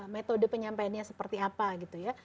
metode penyampaiannya seperti apa gitu ya